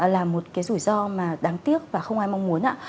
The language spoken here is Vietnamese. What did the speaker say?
là một rủi ro đáng tiếc và không ai mong muốn